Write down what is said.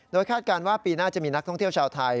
คาดการณ์ว่าปีหน้าจะมีนักท่องเที่ยวชาวไทย